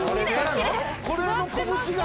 これの拳が？